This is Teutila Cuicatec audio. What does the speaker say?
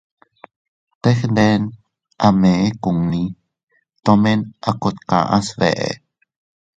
Teg nden a mee kunni, tomen a kot kaʼa sbeʼe.